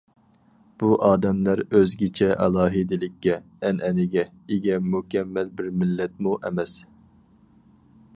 بۇ ئادەملەر ئۆزگىچە ئالاھىدىلىككە، ئەنئەنىگە ئىگە مۇكەممەل بىر مىللەتمۇ ئەمەس.